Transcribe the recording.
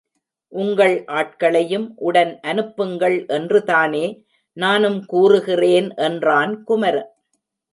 உங்கள் ஆட்களையும் உடன் அனுப்புங்கள் என்றுதானே நானும் கூறுகிறேன் என்றான் குமரன்.